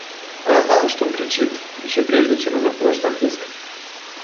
Она знала, что он кричит, еще прежде, чем она подошла к детской.